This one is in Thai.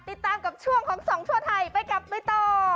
ติดตามกับช่วงของส่องทั่วไทยไปกับใบต่อ